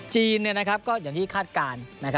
จีนเนี่ยนะครับก็อย่างที่คาดการณ์